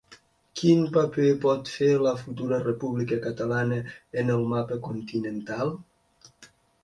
Quin paper pot fer la futura república catalana en el mapa continental?